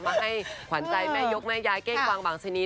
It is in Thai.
มาให้ขวานใจแม่ยกต์แม่ยายเก้กวางบางชีวิต